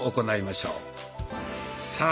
さあ